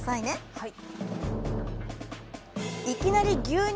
はい。